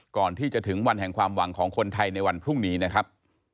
ก่อนที่จะถึงวันแห่งความหวังของคนไทยในวันพรุ่งนี้นะครับ